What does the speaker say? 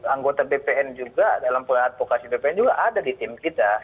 anggota bpn juga dalam pengadvokasi bpn juga ada di tim kita